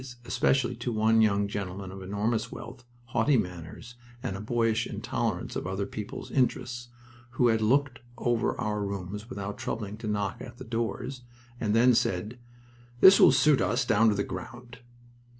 's, especially to one young gentleman of enormous wealth, haughty manners, and a boyish intolerance of other people's interests, who had looked over our rooms without troubling to knock at the doors, and then said, "This will suit us down to the ground."